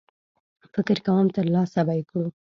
فکر کوم ترلاسه به یې کړو.